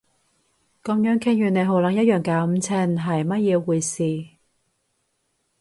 噉樣傾完你可能一樣搞唔清係乜嘢回事